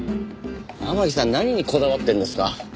天樹さん何にこだわってるんですか？